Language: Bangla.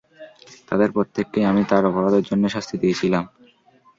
তাদের প্রত্যেককেই আমি তার অপরাধের জন্যে শাস্তি দিয়েছিলাম।